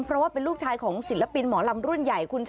เพราะว่าเป็นลูกชายของศิลปินหมอลำรุ่นใหญ่